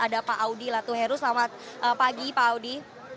ada pak audi latuheru selamat pagi pak audi